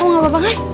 kamu gak apa apa kan